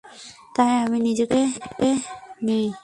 তাই, আমি নিজেকে গুটিয়ে নেই।